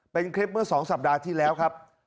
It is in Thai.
เป็นคลิปเมื่อ๒สัปดาห์ที่แล้วครับ